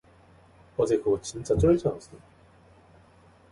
어제 그거 진짜 쩔지 않았어?